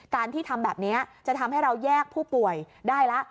การที่ทำแบบนี้จะทำให้เราแยกผู้ป่วยได้ละ